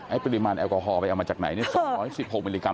ปริมาณแอลกอฮอลไปเอามาจากไหน๒๑๖มิลลิกรั